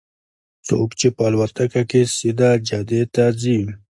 څوک چې په الوتکه کې سیده جدې ته ځي.